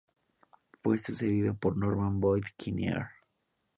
Fue sucedido por Norman Boyd Kinnear.